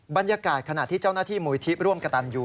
บรรยากาศขณะที่เจ้าหน้าที่มูลที่ร่วมกระตันยู